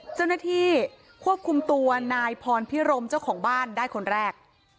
เจ้าหน้าที่ควบคุมตัวนายพรพิรมเจ้าของบ้านได้คนแรก